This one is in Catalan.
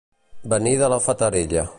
Venir de la Fatarella.